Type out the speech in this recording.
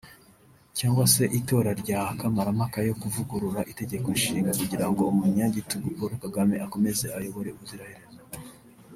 cyangwa se itora rya Kamarampaka yo kuvugurura itegeko nshinga kugira ngo umunyagitugu Paul Kagame akomeze ayobore ubuziraherezo